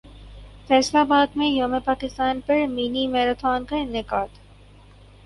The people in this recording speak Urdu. فیصل ابادمیںیوم پاکستان پر منی میراتھن کا انعقاد